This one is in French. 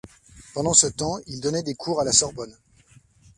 Pendant ce temps, il donnait des cours à la Sorbonne.